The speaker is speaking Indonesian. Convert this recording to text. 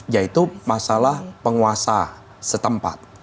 yaitu masalah penguasa setempat